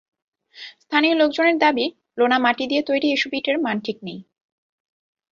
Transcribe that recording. স্থানীয় লোকজনের দাবি, লোনা মাটি দিয়ে তৈরি এসব ইটের মান ঠিক নেই।